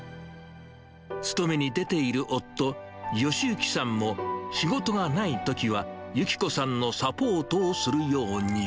勤めに出ている夫、義之さんも、仕事がないときは由紀子さんのサポートをするように。